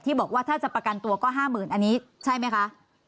ที่บอกว่าถ้าจะประกันตัวก็ห้าหมื่นอันนี้ใช่ไหมคะ